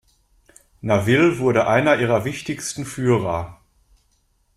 Naville wurde einer ihrer wichtigsten Führer.